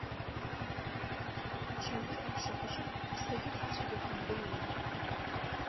Чаӷьыр аԥшаҳәаҿы ҳәсагьы хацәагьы хандеиуан.